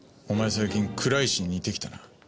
最近倉石に似てきたな。